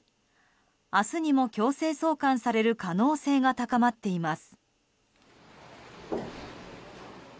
明日にも強制送還される可能性が高まっています。